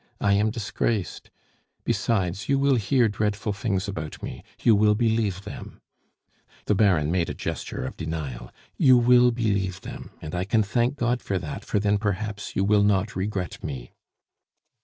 I am disgraced. Besides, you will hear dreadful things about me you will believe them " The Baron made a gesture of denial. "You will believe them, and I can thank God for that, for then perhaps you will not regret me."